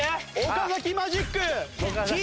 岡マジック！